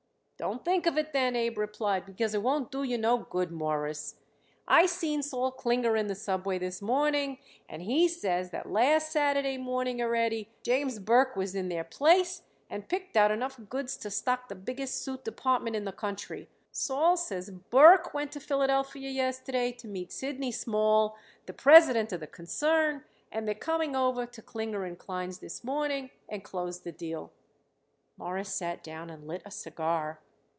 "Don't think of it, then," Abe replied, "because it won't do you no good, Mawruss. I seen Sol Klinger in the subway this morning, and he says that last Saturday morning already James Burke was in their place and picked out enough goods to stock the biggest suit department in the country. Sol says Burke went to Philadelphia yesterday to meet Sidney Small, the president of the concern, and they're coming over to Klinger & Klein's this morning and close the deal." Morris sat down and lit a cigar.